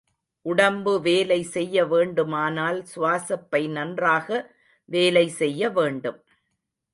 உடம்பு வேலை செய்ய வேண்டுமானால் சுவாசப்பை நன்றாக வேலை செய்ய வேண்டும்.